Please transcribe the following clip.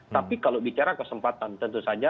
tapi kalau bicara kesempatan tentu saja